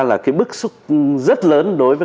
cái bức xúc rất lớn đối với